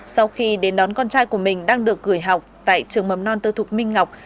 sau khi đến đón con trai của mình đang được gửi học tại trường mầm non tư thục minh ngọc